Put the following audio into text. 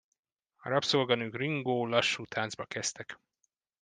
A rabszolganők ringó, lassú táncba kezdtek.